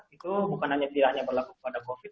itu bukan hanya tidak hanya berlaku pada covid